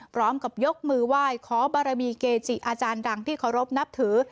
พร้อมกับยกมือไหว้ขอบารมีเกจิอาจารย์ดังที่เคารพนับถือ